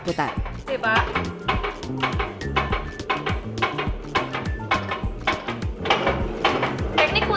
atau catak tekan atau teknik putar